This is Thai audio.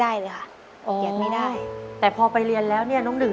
ได้เลยค่ะเปลี่ยนไม่ได้แต่พอไปเรียนแล้วเนี่ยน้องหนึ่ง